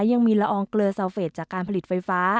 ยังมีละอองเกลือซาวเฟสจากการผลิตไฟฟ้า